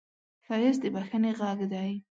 ښایست د بښنې غږ دی